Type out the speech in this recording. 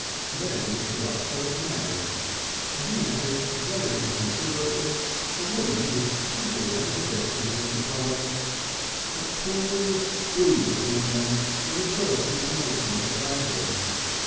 Then Mr. Rusper married, and he married very inconsiderately a woman who was totally uninteresting to Mr. Polly. A coolness grew between them from the first intimation of her advent.